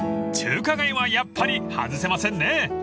［中華街はやっぱり外せませんね！］